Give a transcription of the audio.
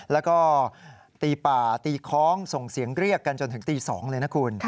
แล้วก็ตีป่าตีคล้องส่งเสียงเรียกกันจนถึงตี๒เลยนะคุณ